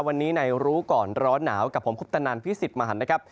วันนี้ในรู้ก่อนร้อนหนาวกับผมคุฟตนานพิศิษฐ์มาหันส์